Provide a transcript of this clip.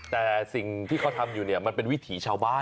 แต่สิ่งที่เขาทำอยู่เนี่ยมันเป็นวิถีชาวบ้าน